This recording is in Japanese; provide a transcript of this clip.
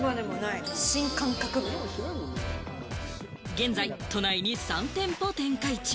現在、都内に３店舗展開中。